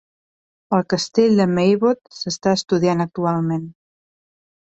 El castell de Meybod s'està estudiant actualment.